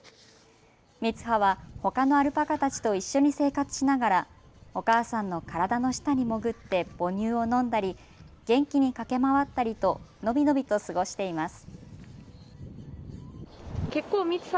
みつはは、ほかのアルパカたちと一緒に生活しながらお母さんの体の下に潜って母乳を飲んだり、元気に駆け回ったりと伸び伸びと過ごしています。